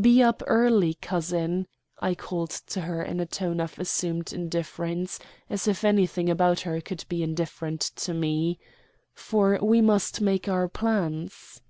"Be up early, cousin," I called to her in a tone of assumed indifference, as if anything about her could be indifferent to me, "for we must make our plans."